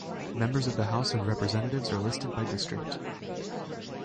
Members of the House of Representatives are listed by district.